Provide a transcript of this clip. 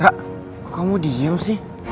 ra kok kamu diem sih